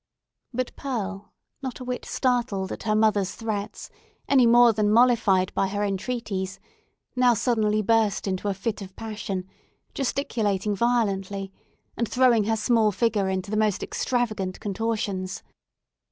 But Pearl, not a whit startled at her mother's threats any more than mollified by her entreaties, now suddenly burst into a fit of passion, gesticulating violently, and throwing her small figure into the most extravagant contortions.